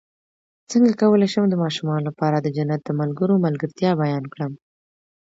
څنګه کولی شم د ماشومانو لپاره د جنت د ملګرو ملګرتیا بیان کړم